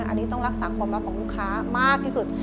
อันนี้ต้องรักษาความลับของลูกค้ามากที่สุด